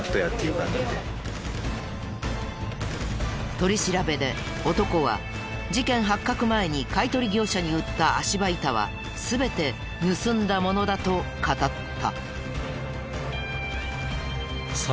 取り調べで男は事件発覚前に買取業者に売った足場板は全て盗んだものだと語った。